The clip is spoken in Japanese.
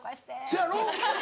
せやろ。